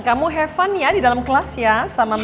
kamu have fun ya di dalam kelas ya